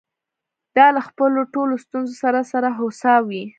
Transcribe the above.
دا له خپلو ټولو ستونزو سره سره هوسا وې.